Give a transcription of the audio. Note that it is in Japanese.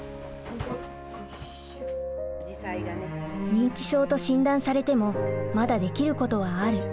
認知症と診断されてもまだできることはある。